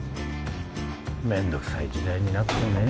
めんどくさい時代になったね